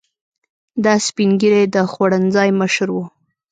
دا سپین ږیری د خوړنځای مشر و.